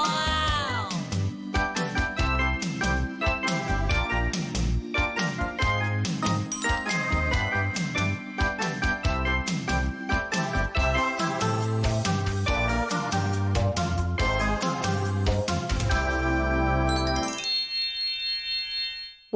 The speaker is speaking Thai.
ว้าว